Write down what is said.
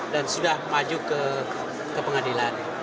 dan sudah maju ke pengadilan